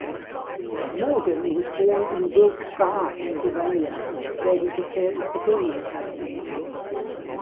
Morgan was born in Wilkes-Barre, Pennsylvania where he prepared at the Hillman Academy.